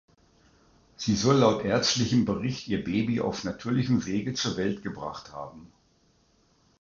Sie soll laut ärztlichem Bericht ihr Baby auf natürlichem Wege zur Welt gebracht haben.